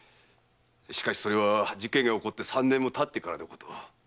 しかしそれは事件から三年も経ってからのこと。